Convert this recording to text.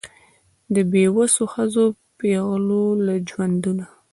د بېوسو ښځو پېغلو له ژوندونه